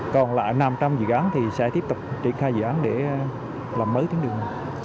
còn lại năm trăm linh dự án thì sẽ tiếp tục triển khai dự án để làm mới tuyến đường